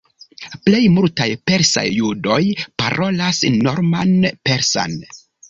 Plej multaj persaj judoj parolas norman persan.